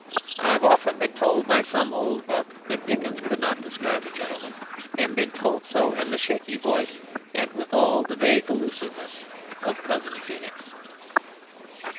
I have often been told by some old buck that Dickens could not describe a gentleman, and been told so in the shaky voice and with all the vague allusiveness of Cousin Feenix.